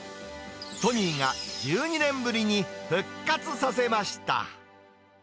ソニーが１２年ぶりに復活させました。